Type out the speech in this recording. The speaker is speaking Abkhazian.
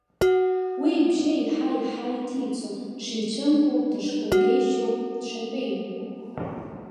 Уи ибжьы еиҳа-еиҳа иҭицон, дшицәымӷу, дышхәынгеишьо, дшатәеимбо.